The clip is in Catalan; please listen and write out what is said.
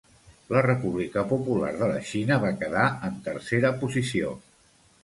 La República Popular de la Xina va quedar en tercera posició.